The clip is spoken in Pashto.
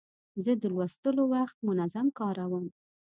زه د لوستلو وخت منظم کاروم.